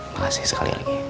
makasih sekali lagi